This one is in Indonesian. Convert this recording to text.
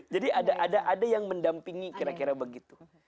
jadi ada yang mendampingi kira kira begitu